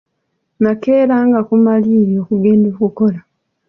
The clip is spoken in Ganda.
Nakeeranga ku maliiri okugenda okukola.